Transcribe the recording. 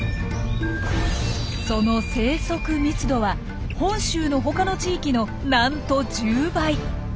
その生息密度は本州の他の地域のなんと１０倍。